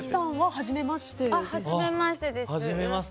はじめましてです。